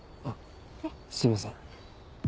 あっすいません。